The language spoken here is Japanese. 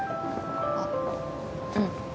あっうん。